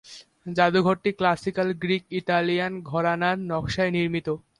জাদুঘরটি classical Greek Italian ঘরানার নকশায় নির্মিত।